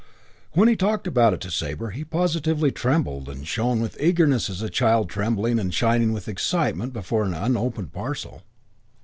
When he talked about it to Sabre he positively trembled and shone with eagerness as a child trembling and shining with excitement before an unopened parcel.